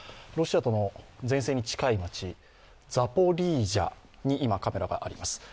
ロシアとの前線に近い町、ザポリージャに今、カメラがあります。